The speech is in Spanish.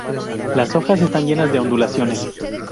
Las hojas están llenas de ondulaciones.